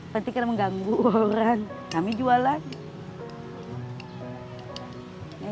penting kan mengganggu orang kami jual aja